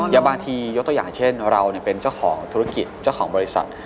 แล้วบางทียกตัวอย่างเช่นเราเป็นเจ้าของธุรกิจเจ้าของบริษัท